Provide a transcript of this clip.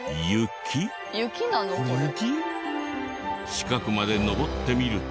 近くまで登ってみると。